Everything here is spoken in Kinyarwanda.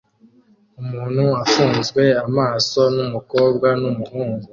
Umuntu afunzwe amaso numukobwa numuhungu